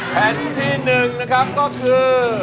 แผนที่หนึ่งนะครับก็คือ